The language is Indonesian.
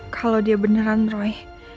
kalau dia beneran roy